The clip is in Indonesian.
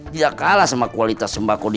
tidak kalah sama kualitas sembakonya